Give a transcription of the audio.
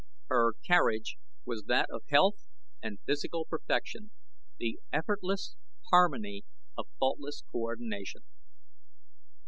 Her carriage was that of health and physical perfection the effortless harmony of faultless coordination.